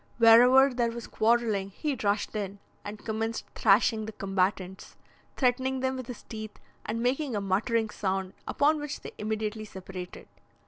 Wherever there was quarrelling, he rushed in, and commenced thrashing the combatants, threatening them with his teeth, and making a muttering sound, upon which they immediately separated.